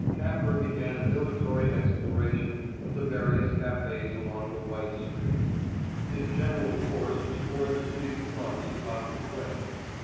Capper began a dilatory exploration of the various cafés along the white street; his general course was toward the city's slums about the Quai.